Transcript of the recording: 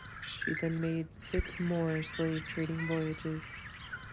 She then made six more slave trading voyages.